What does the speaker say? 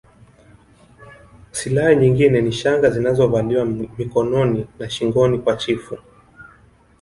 Silaha nyingine ni shanga zinazovaliwa mikononi na shingoni kwa chifu